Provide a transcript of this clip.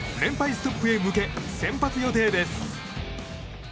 ストップへ向け先発予定です。